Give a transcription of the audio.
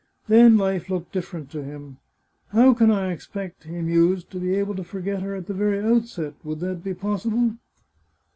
Then life looked different to him. " How can I expect," he mused, " to be able to forget her at the very outset ? Would that be possible